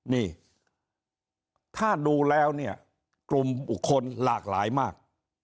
นี่ถ้าดูแล้วเนี่ยกลุ่มบุคคลหลากหลายมาก